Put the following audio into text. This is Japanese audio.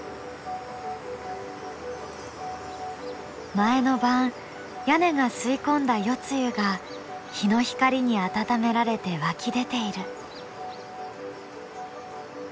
前の晩屋根が吸い込んだ夜露が日の光に暖められて湧き出ている。